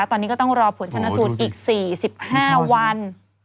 ตอนนี้ก็ต้องรอผลชนสูตรอีก๔๕วัน